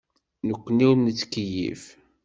Nekkni ur nettkeyyif.